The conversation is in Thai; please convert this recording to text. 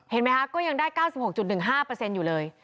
เห็นมั้ยคะก็ยังได้๙๖๑๕อยู่เลย